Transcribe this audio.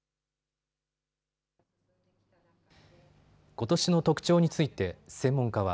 ことしの特徴について専門家は。